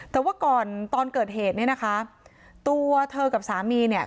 แต่ว่าก่อนตอนเกิดเหตุเนี่ยนะคะตัวเธอกับสามีเนี่ย